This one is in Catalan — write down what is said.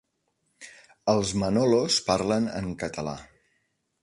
Els Manolos parlen en català.